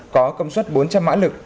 có công suất bốn trăm linh mã lực